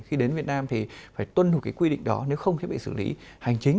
khi đến việt nam thì phải tuân thủ cái quy định đó nếu không sẽ bị xử lý hành chính